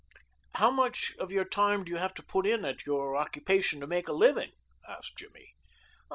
"How much of your time do you have to put in at your occupation to make a living?" asked Jimmy.